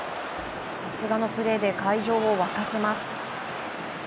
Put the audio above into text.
さすがのプレーで会場を沸かせます。